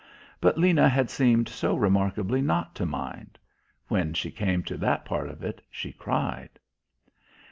But Lena had seemed so remarkably not to mind. When she came to that part of it she cried.